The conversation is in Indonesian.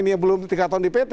ini belum tiga tahun di pt